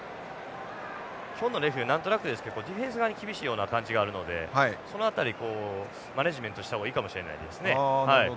今日のレフリーなんとなくですけどディフェンス側に厳しいような感じがあるのでその辺りマネージメントした方がいいかもしれないですね。